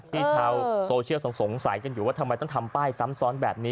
ชาวโซเชียลสงสัยกันอยู่ว่าทำไมต้องทำป้ายซ้ำซ้อนแบบนี้